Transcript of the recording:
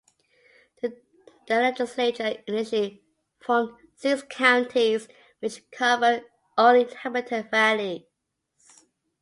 The legislature initially formed six counties, which covered only inhabited valleys.